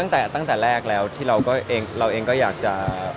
ก็คงมีบ้างครับจริงตั้งแต่แรกเราเองก็อยากจะ